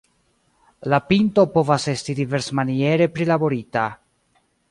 La pinto povas esti diversmaniere prilaborita.